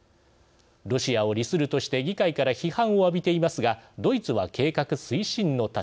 ロシアを利するとして議会から批判を浴びていますがドイツは計画推進の立場。